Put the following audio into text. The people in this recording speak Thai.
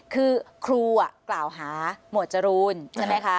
คือครูกล่าวหาหมวดจรูนใช่ไหมคะ